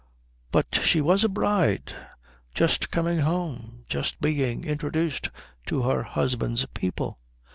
But she was a bride; just coming home; just being introduced to her husband's people.